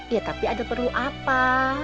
ya tapi ada perlu apa